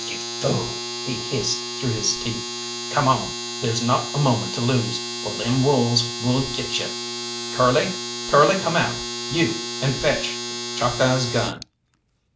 "You fool," he hissed through his teeth, "come on there's not a moment to lose or them wolves will get you! Curly! Curly, come out, you, and fetch Chalkeye's gun.